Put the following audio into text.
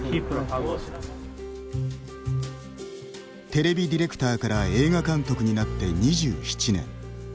テレビディレクターから映画監督になって２７年。